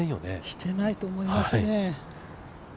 していないと思いますね。